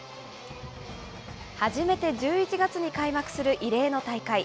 初めて１１月に開幕する異例の大会。